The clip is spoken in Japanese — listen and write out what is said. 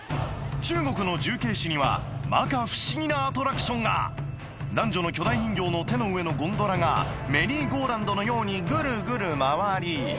なには摩訶不思議なアトラクションが男女の巨大人形の手の上のゴンドラがメリーゴーラウンドのようにグルグル回り